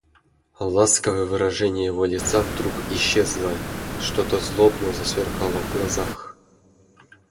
Ласковое выражение его лица вдруг исчезло; что-то злобное засверкало в глазах.